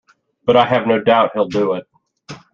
But I have no doubt he'll do it.